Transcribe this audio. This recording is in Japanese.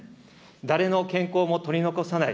誰の健康も取り残さない。